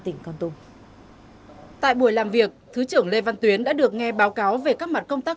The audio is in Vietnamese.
tỉnh con tum tại buổi làm việc thứ trưởng lê văn tuyến đã được nghe báo cáo về các mặt công tác